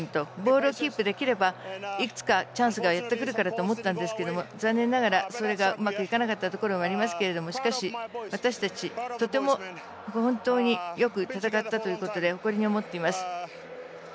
ボールをキープできればいくつかチャンスがくるからと思ったんですが残念ながらそれがうまくいかなかったところがありますけれどもしかし、私たち、とても本当によく戦ったということで誇りに思っています。